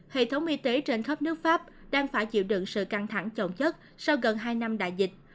hệ thống y tế trên khắp nước pháp đang phải chịu đựng sự căng thẳng trọng chất sau gần hai năm đại dịch